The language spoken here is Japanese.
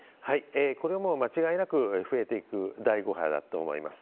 これはもう間違いなく増えていく第５波だと思います。